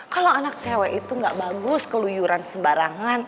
kalau anak cewek itu gak bagus keluyuran sembarangan